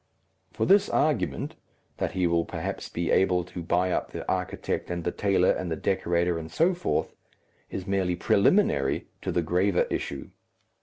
For this argument that he will perhaps be able to buy up the architect and the tailor and the decorator and so forth is merely preliminary to the graver issue.